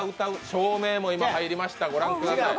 照明も今、入りました、ご覧ください。